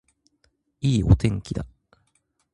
いいお天気だ